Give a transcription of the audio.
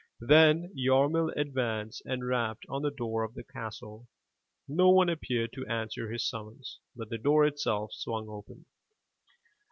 Then Yarmil advanced and rapped on the door of the castle. No one appeared to answer his summons, but the door itself swung open.